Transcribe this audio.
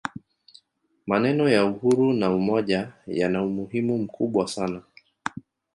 maneno ya uhuru na umoja yana umuhimu mkubwa sana